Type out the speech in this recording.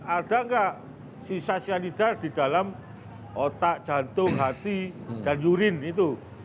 ada nggak sisa cyanida di dalam otak jantung hati dan lurin itu